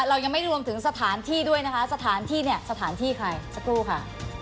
เรายังไม่รวมถึงสถานที่ด้วยนะคะสถานที่เนี่ยสถานที่ใครสักครู่ค่ะ